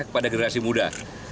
kepada generasi muda